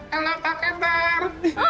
halo pak ketar